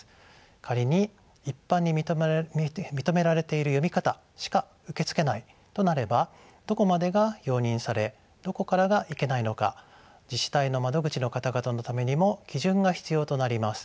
仮に一般に認められている読み方しか受け付けないとなればどこまでが容認されどこからがいけないのか自治体の窓口の方々のためにも基準が必要となります。